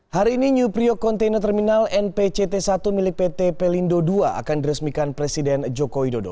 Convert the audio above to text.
hari ini new priok container terminal npct satu milik pt pelindo ii akan diresmikan presiden joko widodo